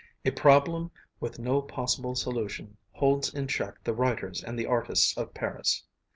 A problem with no possible solution holds in check the writers and the artists of Paris.